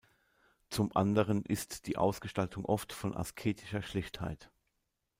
Zum anderen ist die Ausgestaltung oft von asketischer Schlichtheit.